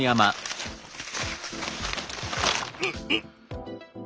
うっうっ。